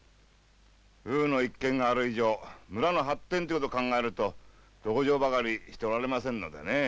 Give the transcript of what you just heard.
ウーの一件がある以上村の発展ということを考えると同情ばかりしておられませんのでねえ。